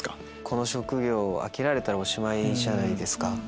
この職業は飽きられたらおしまいじゃないですか。